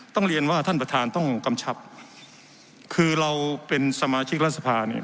ต้องเรียนว่าท่านประธานต้องกำชับคือเราเป็นสมาชิกรัฐสภาเนี่ย